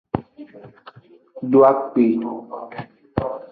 Do akpe.